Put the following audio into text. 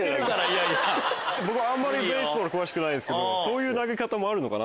あんまりベースボール詳しくないけどそういう投げ方もあるのかな？